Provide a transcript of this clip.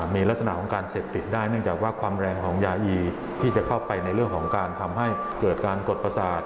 มีลักษณะของการเสพติดได้เนื่องจากว่าความแรงของยาอีที่จะเข้าไปในเรื่องของการทำให้เกิดการกดประสาท